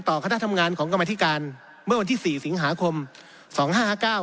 คณะทำงานของกรรมธิการเมื่อวันที่สี่สิงหาคมสองห้าห้าเก้า